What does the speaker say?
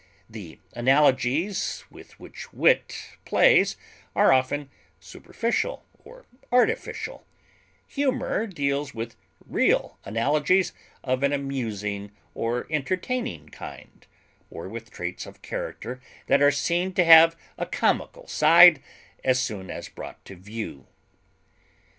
The analogies with which wit plays are often superficial or artificial; humor deals with real analogies of an amusing or entertaining kind, or with traits of character that are seen to have a comical side as soon as brought to view.